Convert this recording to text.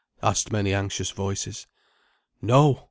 asked many anxious voices. "No!